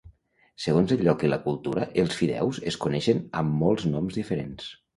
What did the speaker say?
Segons el lloc i la cultura els fideus es coneixen amb molts noms diferents.